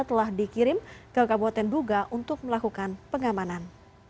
telah dikirim ke kabupaten duga untuk melakukan pengamanan